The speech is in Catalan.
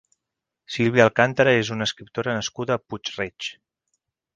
Sílvia Alcàntara és una escriptora nascuda a Puig-reig.